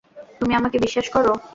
তুমি আমাকে বিশ্বাস করো?